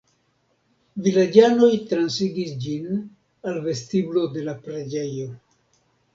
Vilaĝanoj transigis ĝin al vestiblo de la preĝejo.